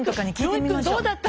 ロイ君どうだった？